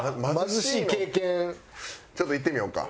ちょっといってみようか。